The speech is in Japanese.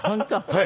はい。